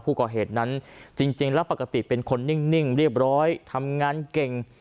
ผู้ก่อเหตุนั้นจริงแล้วปกติเป็นคนนิ่งเรียบร้อยทำงานเก่ง